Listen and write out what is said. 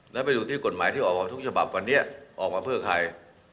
แล้วไปดูที่กฎหมายที่ออกมาทุกฉบับวันนี้ออกมาเพื่อใคร